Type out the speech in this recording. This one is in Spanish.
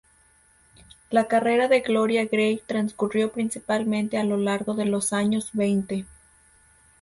La carrera de Gloria Grey transcurrió principalmente a lo largo de los años veinte.